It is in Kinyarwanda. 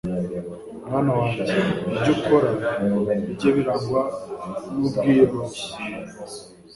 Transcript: mwana wanjye, ibyo ukora bijye birangwa n'ubwiyoroshye